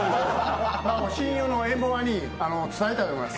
親友のエムボバに伝えたいと思います。